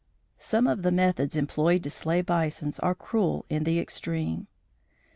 Some of the methods employed to slay bisons are cruel in the extreme.